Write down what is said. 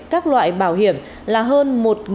các loại bảo hiểm là hơn